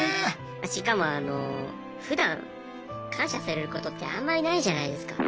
しかもふだん感謝されることってあんまりないじゃないですか。